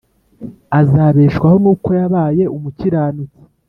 azabeshwaho nuko yabaye umukiranutsi